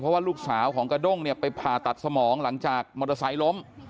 เพราะว่าลูกสาวของกระด้งเนี่ยไปผ่าตัดสมองหลังจากมอเตอร์ไซค์ล้ม